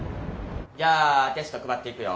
じゃあテスト配っていくよ。